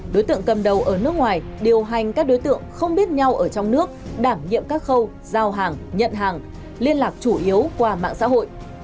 đối tượng cầm đầu ở nước ngoài điều hành các đối tượng không biết nhau ở trong nước đảm nhiệm các khâu giao hàng nhận hàng liên lạc chủ yếu qua mạng xã hội